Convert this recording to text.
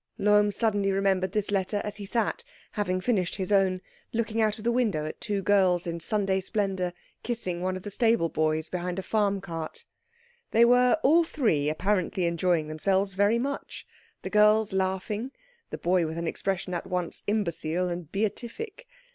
Lohm suddenly remembered this letter as he sat, having finished his own, looking out of the window at two girls in Sunday splendour kissing one of the stable boys behind a farm cart. They were all three apparently enjoying themselves very much, the girls laughing, the boy with an expression at once imbecile and beatific.